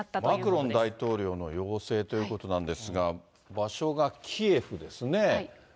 マクロン大統領の要請ということなんですが、場所がキエフですね。